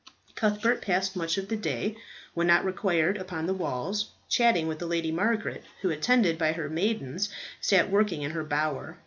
Cuthbert passed much of the day, when not required upon the walls, chatting with the Lady Margaret, who, attended by her maidens, sat working in her bower.